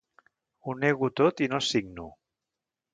Ho nego tot i no signo.